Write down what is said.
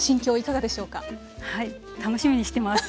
楽しみにしてます。